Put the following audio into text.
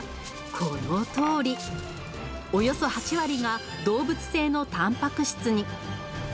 およそ８割が動物性のタンパク質に。